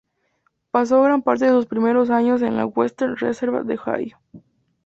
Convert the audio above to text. Pasó gran parte de sus primeros años en la Western Reserve de Ohio.